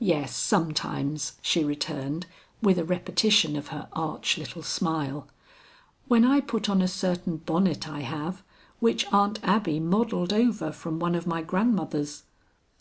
"Yes, sometimes," she returned with a repetition of her arch little smile, "when I put on a certain bonnet I have, which Aunt Abby modeled over from one of my grandmother's.